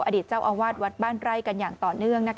อดีตเจ้าอาวาสวัดบ้านไร่กันอย่างต่อเนื่อง